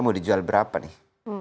mau dijual berapa nih